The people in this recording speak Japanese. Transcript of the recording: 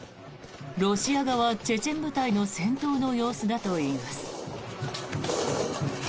ロシア側チェチェン部隊の戦闘の様子だといいます。